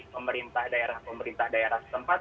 pemerintah daerah pemerintah daerah setempat